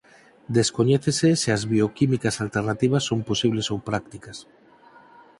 Descoñécese se as bioquímicas alternativas son posibles ou prácticas.